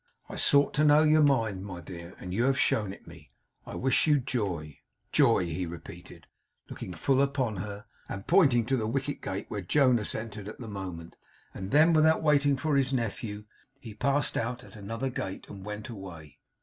I sought to know your mind, my dear, and you have shown it me. I wish you joy. Joy!' he repeated, looking full upon her, and pointing to the wicket gate where Jonas entered at the moment. And then, without waiting for his nephew, he passed out at another gate, and went away.